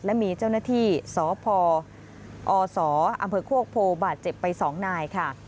และมีเจ้าหน้าที่สพอศอำเภอโคกโพบาดเจ็บไป๒นายค่ะ